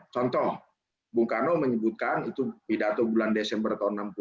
contoh bung karno menyebutkan itu pidato bulan desember tahun seribu sembilan ratus